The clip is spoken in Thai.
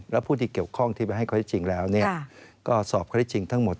แล้วผู้ที่เกี่ยวข้องที่ไปให้ข้อที่จริงแล้วก็สอบข้อได้จริงทั้งหมด